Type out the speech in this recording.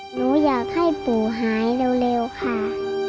หนูอยากให้ปู่หายเร็วค่ะ